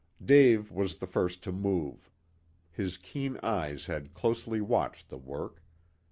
Dave was the first to move. His keen eyes had closely watched the work.